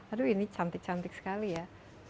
aduh ini cantik cantik sekali ya